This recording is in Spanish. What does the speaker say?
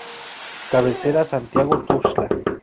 Cabecera: Santiago Tuxtla.